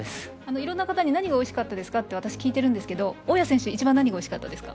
いろんな方に何がおいしかったか聞いているんですが大矢選手一番何がおいしかったですか？